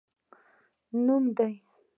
نوم دي؟